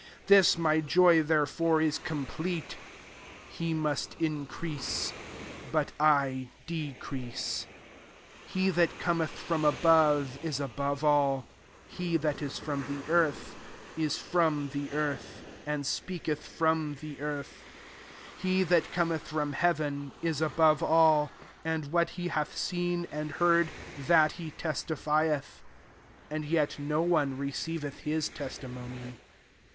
This my ny, therefore, is conrplete. 30 He nrast increase, but I de crease. SI *• He that cc^meth from a bove, is above alt: he that is from ^e «uth, is from the earth, and apeaketh from the eaith : he that eomedi from heaven [it above all^ 32 and] what he bath seen and heard [that] he testifieth ; and yet no one re ceiveth his testimony.